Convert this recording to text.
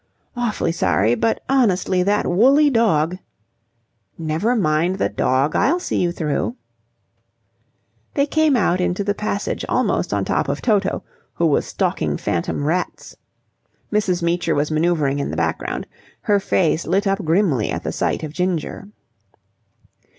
"Awfully sorry, but, honestly, that woolly dog..." "Never mind the dog. I'll see you through." They came out into the passage almost on top of Toto, who was stalking phantom rats. Mrs. Meecher was manoeuvring in the background. Her face lit up grimly at the sight of Ginger.